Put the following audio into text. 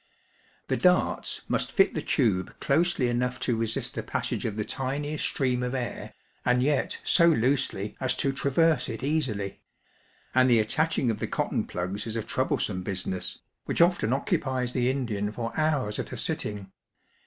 The darts must fit the tube closely enough to resist the passage of the tiniest stream of air, and yet so loosely as to traverse it easily; and the attaching of the cotton plugs is a troublesome business, which often occupies the Indian for hours at a sitting.